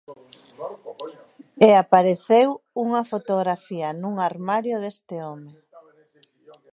E apareceu unha fotografía nun armario deste home.